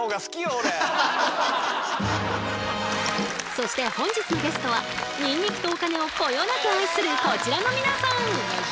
そして本日のゲストはニンニクとお金をこよなく愛するこちらの皆さん。